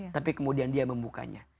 tapi kemudian dia membukanya